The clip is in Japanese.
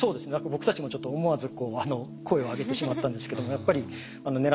僕たちもちょっと思わず声を上げてしまったんですけどもやっぱり狙ってたものが取れた。